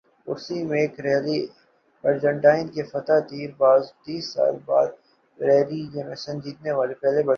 کرس Meeke rally Argentine کے فاتح تیرہ برس بعد ورلڈ ریلی چیمپئن جیتنے والے پہلے برطانوی